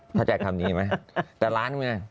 เขาใช้คำนี้ไหมแต่ล้านเงิน